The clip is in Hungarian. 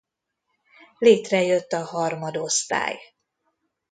Létrejött a harmadosztály.